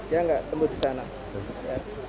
ya enggak tembus di sana